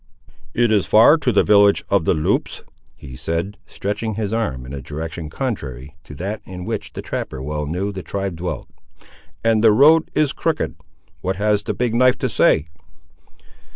"It is far to the village of the Loups," he said, stretching his arm in a direction contrary to that in which, the trapper well knew, the tribe dwelt, "and the road is crooked. What has the Big knife to say?"